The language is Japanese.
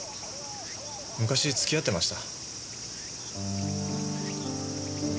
昔付き合ってました。